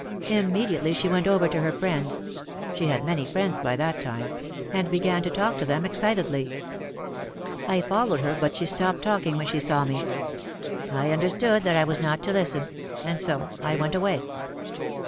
Immediately she went over to her friends (she had many friends by that time) and began to talk to them excitedly. I followed her but she stopped talking when she saw me. I understood that I was not to listen. And so I went away.